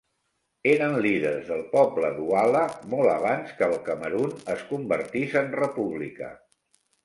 Eren líders del poble douala molt abans que el Camerun es convertís en república.